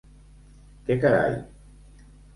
Què carai.